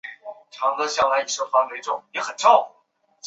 椰树广泛分布于除高地之外的地区。